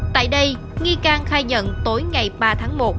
tại đây nghi can khai nhận tối ngày ba tháng một